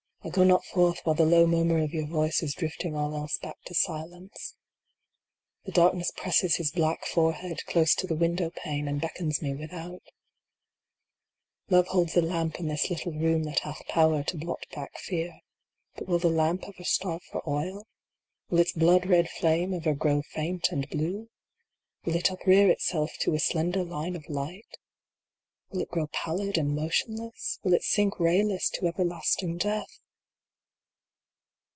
I go not forth while the low murmur of your voice is drifting all else back to silence. The darkness presses his black forehead close to the window pane, and beckons me without Love holds a lamp in this little room that hath power to blot back Fear. But will the lamp ever starve for oil ? Will its blood red flame ever grow faint and blue ? Will it uprear itself to a slender line of light ? Will it grow pallid and motionless ? Will it sink rayless to everlasting death